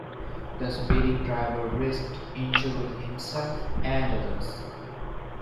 The speeding driver risked injuring himself and others.